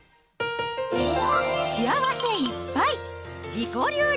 幸せいっぱい！